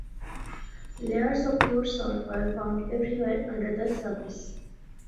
Layers of pure salt were found everywhere under the surface.